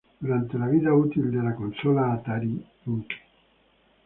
Durante la vida útil de la consola, Atari, Inc.